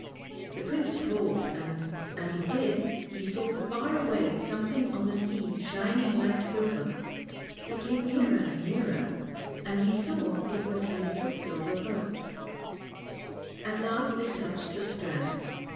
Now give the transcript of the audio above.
The prince pulled, and, as he did, he saw far away something on the sea shining like silver. It came nearer and nearer, and he saw it was a little silver boat, At last it touched the strand.